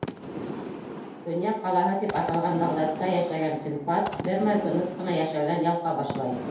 «Донъя ҡалаһы» тип аталған Бағдадта йәшәгән Синдбад бер мәл тыныс ҡына йәшәүҙән ялҡа башлай.